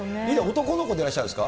男の子でいらっしゃるんですか。